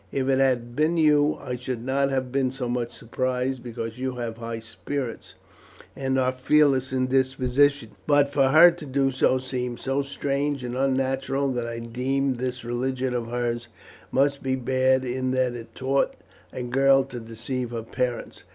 If it had been you I should not have been so much surprised, because you have high spirits and are fearless in disposition; but for her to do so seemed so strange and unnatural, that I deemed this religion of hers must be bad in that it taught a girl to deceive her parents."